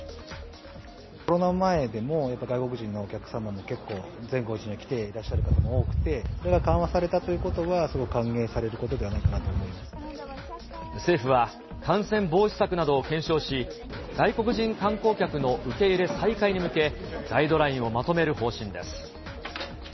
コロナ前でも、外国人のお客様は結構、善光寺に来ていらっしゃる方も多くて、それが緩和されるということは、すごい歓迎されることではないか政府は、感染防止策などを検証し、外国人観光客の受け入れ再開に向け、ガイドラインをまとめる方針です。